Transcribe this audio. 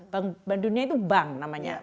bank dunia itu bank namanya